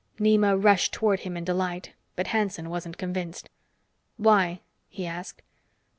Nema rushed toward him in delight, but Hanson wasn't convinced. "Why?" he asked.